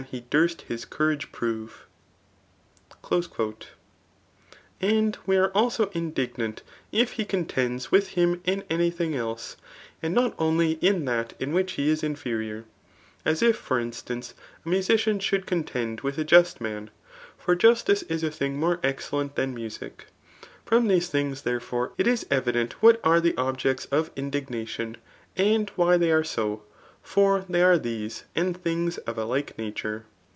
^e;dur$t his coursige prove. j^nd we are also, indignant if he contends with him ini any .thing else, [and not only in that m whidi be is infecjor Q ^^ ^^y ^^^ iflstancei, ia musiccin sfaoold cofttend CHiST. XI. llHfiTa<«.IC. : 1S9 with a just man ; for justice is a thing more excellent than music. From these things, therefore, it is evident what are the objects of indignation, and why they are so; for they are these, and things of a like nature.